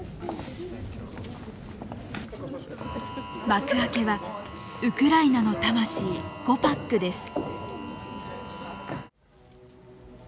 幕開けはウクライナの魂「ゴパック」です。